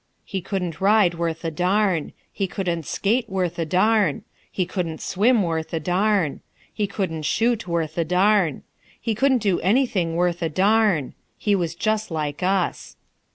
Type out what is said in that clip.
He couldn't ride worth a darn. He couldn't skate worth a darn. He couldn't swim worth a darn. He couldn't shoot worth a darn. He couldn't do anything worth a darn. He was just like us.